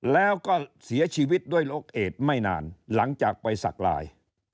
แล้วก็เสียชีวิตด้วยโรคเอดไม่นานหลังจากไปสักลาย